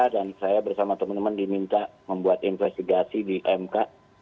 dan saya bersama temen temen diminta membuat investigasi di mk